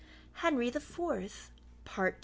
HENRY THE FOURTH, PART II.